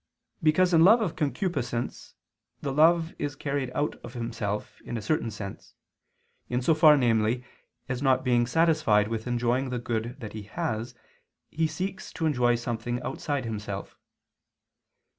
Because in love of concupiscence, the lover is carried out of himself, in a certain sense; in so far, namely, as not being satisfied with enjoying the good that he has, he seeks to enjoy something outside himself.